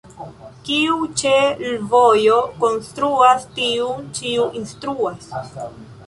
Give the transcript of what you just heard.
Kiu ĉe l' vojo konstruas, tiun ĉiu instruas.